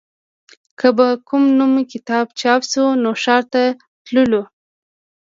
که به کوم نوی کتاب چاپ شو نو ښار ته تللو